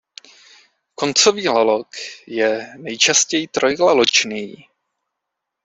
Koncový lalok je nejčastěji trojlaločný.